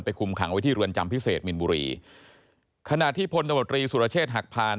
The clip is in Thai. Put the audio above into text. คุมขังไว้ที่เรือนจำพิเศษมินบุรีขณะที่พลตมตรีสุรเชษฐ์หักพาน